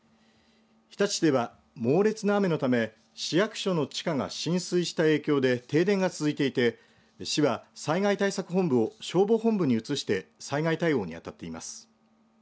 日立市では猛烈な雨のため市役所の地下が浸水した影響で停電が続いていて市は災害対策本部を消防本部に移して災害対応に当たっています。